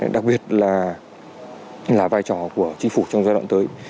đặc biệt là vai trò của chính phủ trong giai đoạn tới